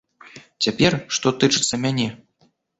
Цяпер, што тычыцца мяне.